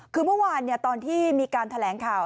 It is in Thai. คือเมื่อวานตอนที่มีการแถลงข่าว